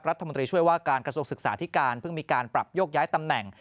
รัฐมนตรีช่วยว่าการกระทรวงศึกษาที่การเพิ่งมีการปรับโยกย้ายตำแหน่ง